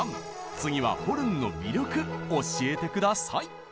次はホルンの魅力教えて下さい！